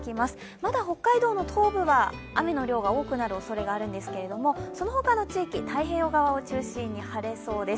まだ北海道の東部は雨の量が多くなる予想なんですけれども、その他の地域、太平洋側を中心に晴れそうです。